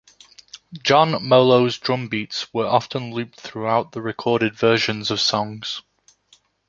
John Molo's drumbeats were often looped throughout the recorded versions of songs.